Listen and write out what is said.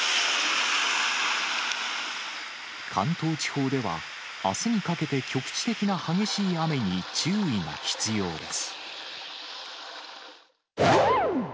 関東地方では、あすにかけて局地的な激しい雨に注意が必要です。